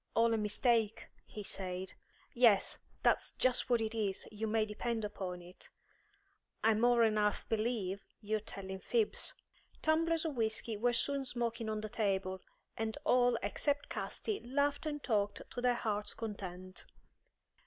"All a mistake," he said. "Yes, that's just what it is, you may depend upon it. I more'n half believe you're telling fibs." Tumblers of whisky were soon smoking on the table, and all except Casti laughed and talked to their heart's content.